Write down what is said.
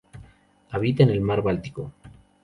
Habita en el mar Báltico.